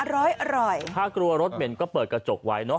อร่อยถ้ากลัวรถเหม็นก็เปิดกระจกไว้เนอะ